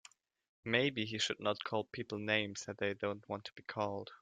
Maybe he should not call people names that they don't want to be called.